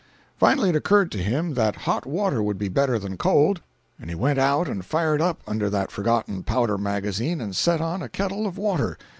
Finally it occurred to him that hot water would be better than cold, and he went out and fired up under that forgotten powder magazine and set on a kettle of water.